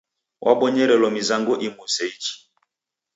Wabonyerelo mizango imu useiichi.